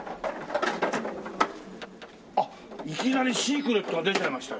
あっいきなりシークレットが出ちゃいましたよ。